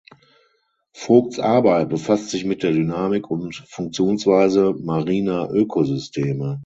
Vogts Arbeit befasst sich mit der Dynamik und Funktionsweise mariner Ökosysteme.